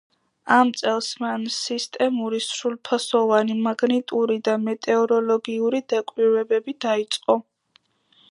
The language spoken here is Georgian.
ამ წელს მან სისტემური, სრულფასოვანი მაგნიტური და მეტეოროლოგიური დაკვირვებები დაიწყო.